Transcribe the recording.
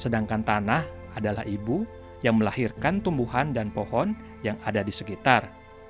sedangkan tanah adalah ibu yang melahirkan tumbuhan dan pohon yang ada di sekitar